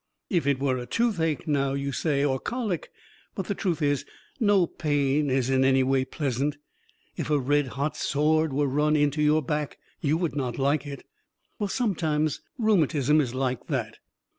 If it were a toothache, now, you say, or colic but the truth is, no pain is in any way pleasant. If a red hot sword were run into your back you would not like it? Well, sometimes rheumatism is like that.